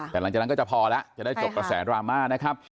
แต่หลังจากนั้นก็จะพอแล้วจะได้จบกระแสดราม่านะครับ